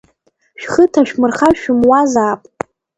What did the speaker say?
Шәхы ҭашәмырхар шәымуазаап.